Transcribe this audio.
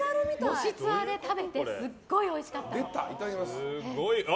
「もしツア」で食べてすごいおいしかった。